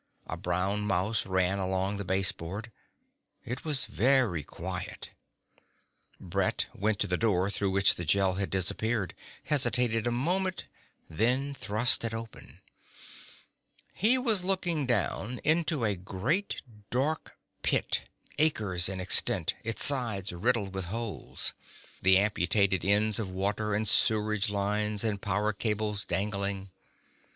A brown mouse ran along the baseboard. It was very quiet. Brett went to the door through which the Gel had disappeared, hesitated a moment, then thrust it open. He was looking down into a great dark pit, acres in extent, its sides riddled with holes, the amputated ends of water and sewage lines and power cables dangling.